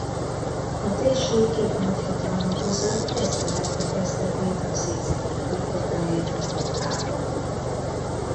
A térség két nagyhatalma között ezzel vette kezdetét a Szicília birtokáért vívott háború.